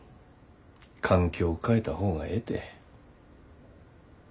環境変えた方がええて。